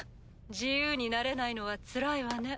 自由になれないのはつらいわね。